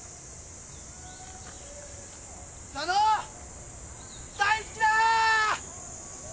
佐野大好きだ！